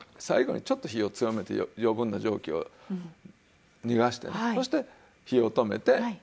最後にちょっと火を強めて余分な蒸気を逃がしてねそして火を止めて。